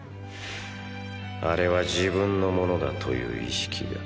あれは自分のものだという意識が。